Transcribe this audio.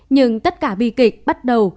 nhưng tất cả bi kịch bắt đầu